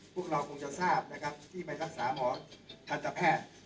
พวกเราคงจะทราบนะครับที่ไปรักษาหมอทันตแพทย์